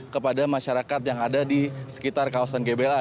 kepada masyarakat yang ada di sekitar kawasan gbla